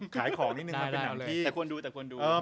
ขายของนิดนึง